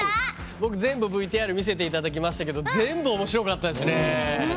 僕、全部ＶＴＲ見せていただきましたが全部、おもしろかったですね。